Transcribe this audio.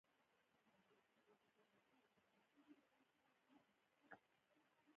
تالابونه د افغانستان د ملي اقتصاد یوه مهمه برخه ده.